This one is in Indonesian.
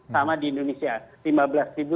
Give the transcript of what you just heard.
sama di indonesia rp lima belas